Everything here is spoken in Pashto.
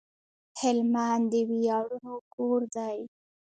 هلمند د وياړونو کور دی